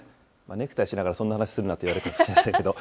ネクタイしながら、そんな話するなと言われるかもしれませんけれども。